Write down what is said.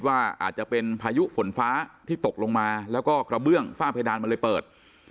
ว่าอาจจะเป็นพายุฝนฟ้าที่ตกลงมาแล้วก็กระเบื้องฝ้าเพดานมันเลยเปิด